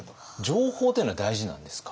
情報っていうのは大事なんですか？